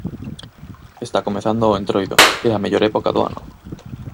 Está comezando o Entroido, é a mellor época do ano.